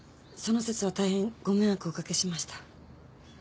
その節は大変ご迷惑をおかけしました。